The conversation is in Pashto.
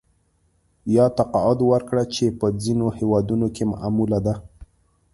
یا تقاعد ورکړه چې په ځینو هېوادونو کې معموله ده